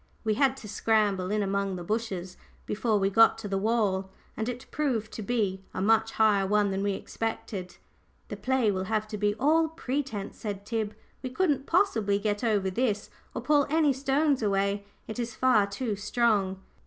We had to scramble in among the bushes before we got to the wall. And it proved to be a much higher one than we expected. "The play will have to be all pretence," said Tib; "we couldn't possibly get over this, or pull any stones away. It is far too strong."